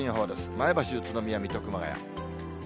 前橋、宇都宮、水戸、熊谷。